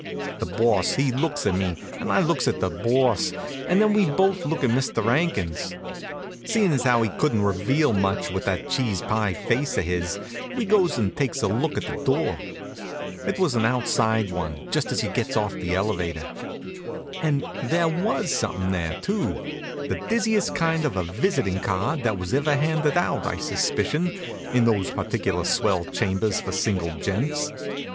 The Boss he looks at me, and I looks at the Boss, and then we both looks at Mister 'Ankins. Seein' as how he couldn't reveal much with that cheese pie face of his, we goes and takes a look at the door. It was the outside one, just as you gets off the elevator. And there was something there, too; the dizziest kind of a visitin' card that was ever handed out, I suspicion, in those particular swell chambers for single gents.